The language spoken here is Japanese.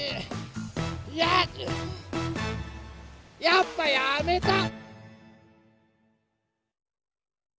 やっぱやめた！